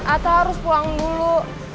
ata harus pulang dulu